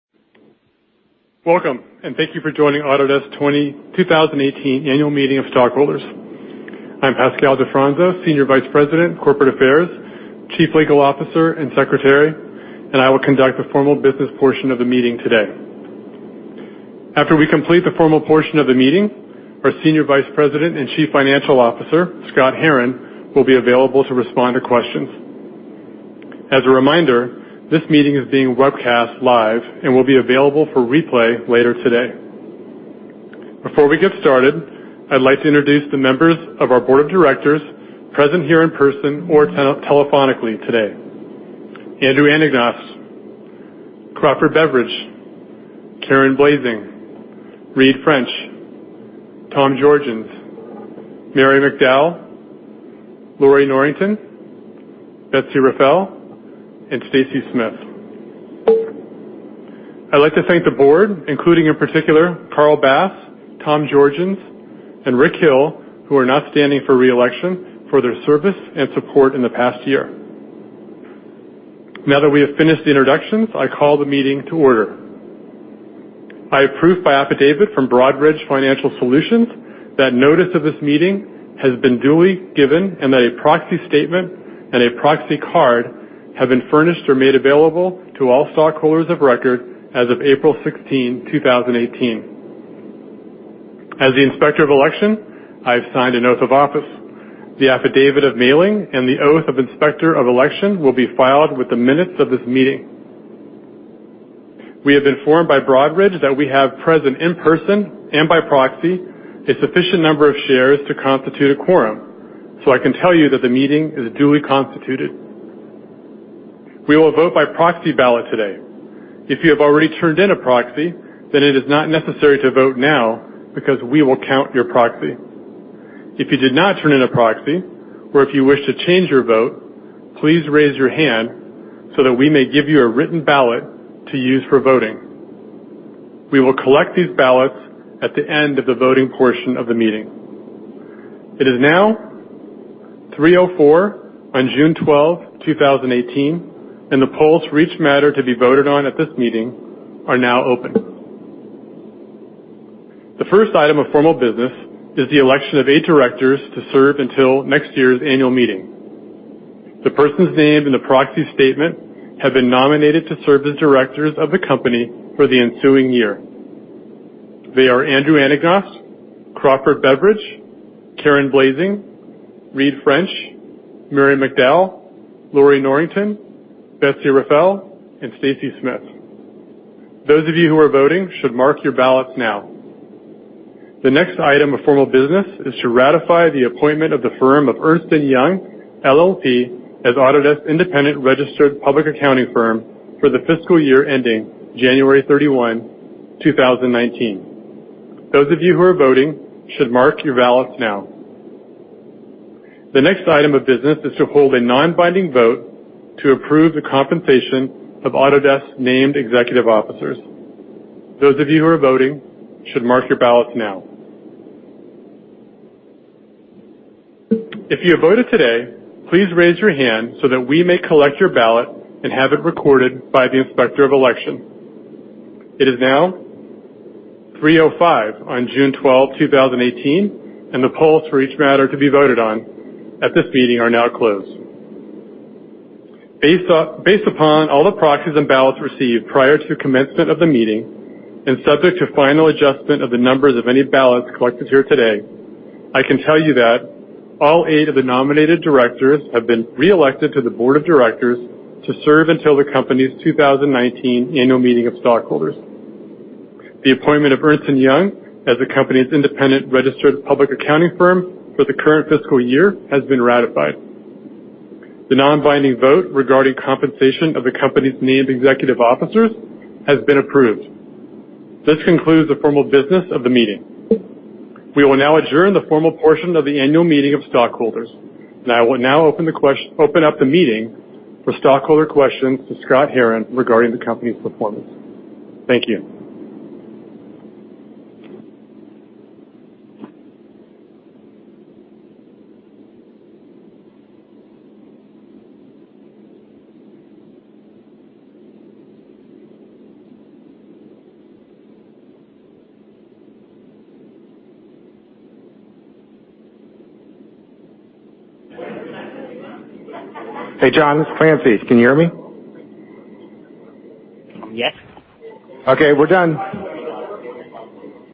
Welcome, and thank you for joining Autodesk 2018 Annual Meeting of Stockholders. I'm Pascal Desroches, Senior Vice President, Corporate Affairs, Chief Legal Officer, and Secretary, and I will conduct the formal business portion of the meeting today. After we complete the formal portion of the meeting, our Senior Vice President and Chief Financial Officer, Scott Herren, will be available to respond to questions. As a reminder, this meeting is being webcast live and will be available for replay later today. Before we get started, I'd like to introduce the members of our board of directors present here in person or telephonically today. Andrew Anagnost, Crawford Beveridge, Karen Blasing, Reid French, Tom Georgens, Mary McDowell, Lorrie Norrington, Betsy Rafael, and Stacy Smith. I'd like to thank the board, including in particular Carl Bass, Tom Georgens, and Rick Hill, who are not standing for re-election, for their service and support in the past year. Now that we have finished the introductions, I call the meeting to order. I approve by affidavit from Broadridge Financial Solutions that notice of this meeting has been duly given and that a proxy statement and a proxy card have been furnished or made available to all stockholders of record as of April 16, 2018. As the Inspector of Election, I have signed an oath of office. The affidavit of mailing and the oath of Inspector of Election will be filed with the minutes of this meeting. We have been informed by Broadridge that we have present in person and by proxy, a sufficient number of shares to constitute a quorum. I can tell you that the meeting is duly constituted. We will vote by proxy ballot today. If you have already turned in a proxy, then it is not necessary to vote now because we will count your proxy. If you did not turn in a proxy, or if you wish to change your vote, please raise your hand so that we may give you a written ballot to use for voting. We will collect these ballots at the end of the voting portion of the meeting. It is now 3:04 P.M. on June 12, 2018, and the polls for each matter to be voted on at this meeting are now open. The first item of formal business is the election of eight directors to serve until next year's annual meeting. The persons named in the proxy statement have been nominated to serve as directors of the company for the ensuing year. They are Andrew Anagnost, Crawford Beveridge, Karen Blasing, Reid French, Mary McDowell, Lorrie Norrington, Betsy Rafael, and Stacy Smith. Those of you who are voting should mark your ballots now. The next item of formal business is to ratify the appointment of the firm of Ernst & Young LLP as Autodesk's independent registered public accounting firm for the fiscal year ending January 31, 2019. Those of you who are voting should mark your ballots now. The next item of business is to hold a non-binding vote to approve the compensation of Autodesk's named executive officers. Those of you who are voting should mark your ballots now. If you have voted today, please raise your hand so that we may collect your ballot and have it recorded by the Inspector of Election. It is now 3:05 P.M. on June 12, 2018, and the polls for each matter to be voted on at this meeting are now closed. Based upon all the proxies and ballots received prior to commencement of the meeting and subject to final adjustment of the numbers of any ballots collected here today, I can tell you that all eight of the nominated directors have been re-elected to the Board of Directors to serve until the company's 2019 Annual Meeting of Stockholders. The appointment of Ernst & Young as the company's independent registered public accounting firm for the current fiscal year has been ratified. The non-binding vote regarding compensation of the company's named executive officers has been approved. This concludes the formal business of the meeting. We will now adjourn the formal portion of the Annual Meeting of Stockholders. I will now open up the meeting for stockholder questions to Scott Herren regarding the company's performance. Thank you. Hey, John, it's Francis. Can you hear me? Yes. Okay, we're done.